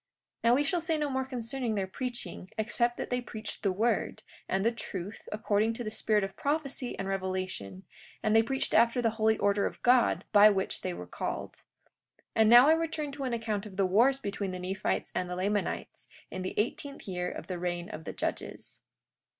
43:2 Now we shall say no more concerning their preaching, except that they preached the word, and the truth, according to the spirit of prophecy and revelation; and they preached after the holy order of God by which they were called. 43:3 And now I return to an account of the wars between the Nephites and the Lamanites, in the eighteenth year of the reign of the judges.